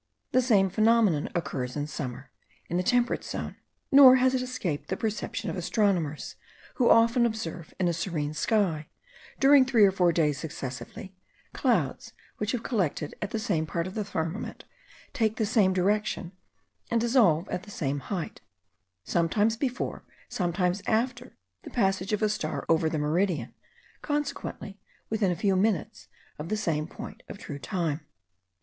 The same phenomenon occurs in summer, in the temperate zone; nor has it escaped the perception of astronomers, who often observe, in a serene sky, during three or four days successively, clouds which have collected at the same part of the firmament, take the same direction, and dissolve at the same height; sometimes before, sometimes after the passage of a star over the meridian, consequently within a few minutes of the same point of true time.